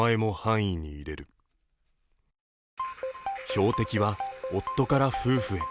標的は夫から夫婦へ。